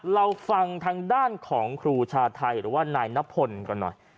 เราฟังทางด้านของครูชาไทยหรือว่านายนพลก่อนหน่อย